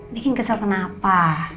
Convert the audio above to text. bikin kesel kenapa